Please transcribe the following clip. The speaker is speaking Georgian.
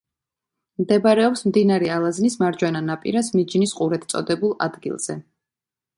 მდებარეობს მდინარე ალაზნის მარჯვენა ნაპირას მიჯნის ყურედ წოდებულ ადგილზე.